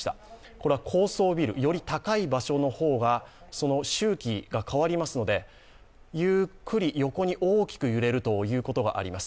これは高層ビル、より高い場所の方がその周期が変わりますのでゆっくり横に大きく揺れるということがあります。